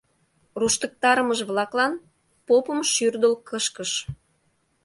Руштыктарымыж-влаклан попым шӱрдыл кышкыш.